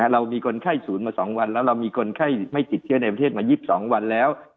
เรามีคนไข้ศูนย์มา๒วันแล้วเรามีคนไข้ไม่ติดเชื้อในประเทศมา๒๒วันแล้ว